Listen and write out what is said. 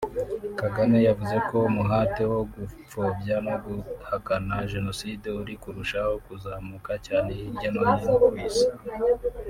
Kagame yavuze ko umuhate wo gupfobya no guhakana Jenoside uri kurushaho kuzamuka cyane hirya no hino ku isi